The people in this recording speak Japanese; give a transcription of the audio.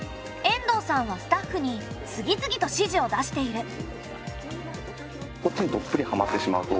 遠藤さんはスタッフに次々と指示を出している。